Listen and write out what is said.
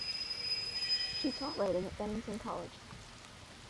She taught writing at Bennington College.